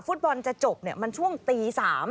ฟุตบอลจะจบมันช่วงตี๓